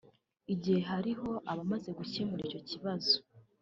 mu gihe hariho abamaze gukemura icyo kibazo